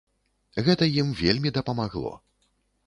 Гэта ім вельмі дапамагло.